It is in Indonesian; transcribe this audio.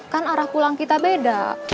kan arah pulang kita beda